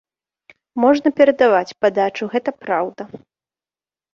Можна перадаваць падачу, гэта праўда.